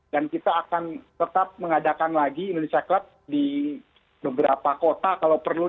dan kita akan tetap mengadakan lagi indonesia klat di beberapa kota kalau perlu